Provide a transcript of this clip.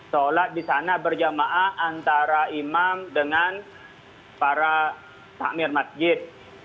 sholat di sana berjamaah antara imam dengan para takmir masjid